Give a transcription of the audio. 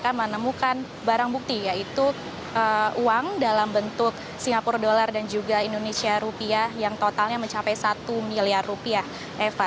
mereka menemukan barang bukti yaitu uang dalam bentuk singapura dollar dan juga indonesia rupiah yang totalnya mencapai satu miliar rupiah eva